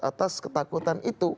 atas ketakutan itu